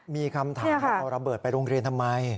มีคำถามว่าเอาระเบิดไปโรงเรียนทำไม